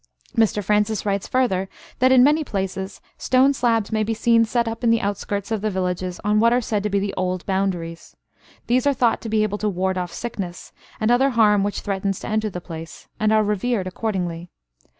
Mr Francis writes further that "in many places, stone slabs may be seen set up in the outskirts of the villages, on what are said to be the old boundaries. These are thought to be able to ward off sickness, and other harm which threatens to enter the place, and are revered accordingly.